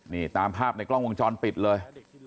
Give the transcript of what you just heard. นี่ตามภาพในกล้องวงจรปิดเลย